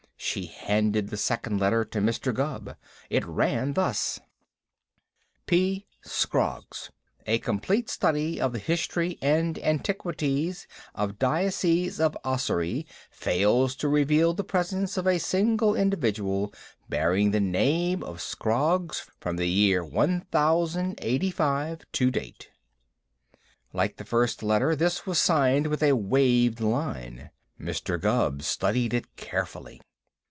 She handed the second letter to Mr. Gubb. It ran thus: P. SCROGGS: A complete study of the history and antiquities of Diocese of Ossory fails to reveal the presence of a single individual bearing the name of Scroggs from the year 1085 to date. Like the first letter this was signed with a waved line. Mr. Gubb studied it carefully.